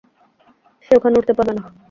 সে ওখানে উঠতে পারবে না।